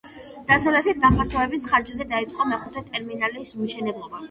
დასავლეთით გაფართოების ხარჯზე დაიწყო მეხუთე ტერმინალის მშენებლობა.